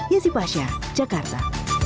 yazip aakasyah jakarta